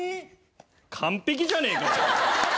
完璧じゃねえか！